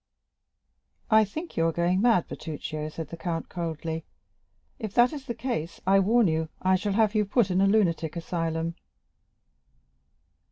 "I think you are going mad, Bertuccio," said the count coldly. "If that is the case, I warn you, I shall have you put in a lunatic asylum."